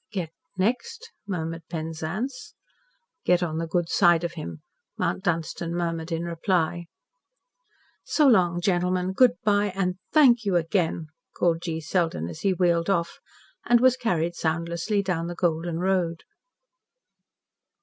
"Get next," murmured Penzance. "Get on the good side of him," Mount Dunstan murmured in reply. "So long, gentlemen, good bye, and thank you again," called G. Selden as he wheeled off, and was carried soundlessly down the golden road.